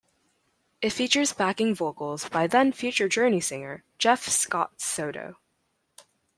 It features backing vocals by then future Journey singer Jeff Scott Soto.